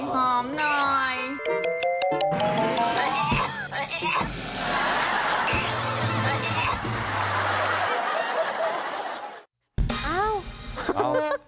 หอมหน่อย